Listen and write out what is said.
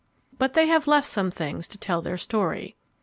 But they have left some things to tell their story.